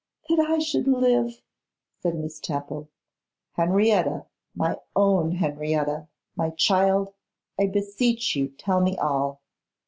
that I should live!' said Miss Temple. 'Henrietta, my own Henrietta, my child, I beseech you tell me all.